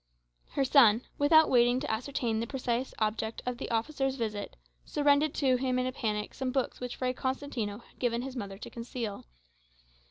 Her son, without waiting to ascertain the precise object of the officer's visit, surrendered to him in a panic some books which Fray Constantino had given his mother to conceal.